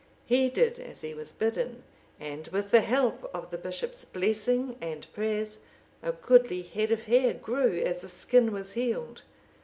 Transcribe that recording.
He did as he was bidden, and with the help of the bishop's blessing and prayers, a goodly head of hair grew as the skin was healed.